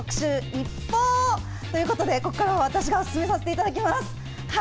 ＩＰＰＯＵということでここからは私がおすすめさせていただきます。